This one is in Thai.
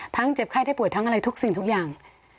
เจ็บไข้ได้ป่วยทั้งอะไรทุกสิ่งทุกอย่าง